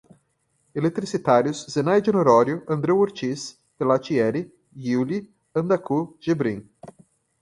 Eletricitários, Zenaide Honório, Andreu Ortiz, Pelatieri, Giuli, Andaku, Gebrim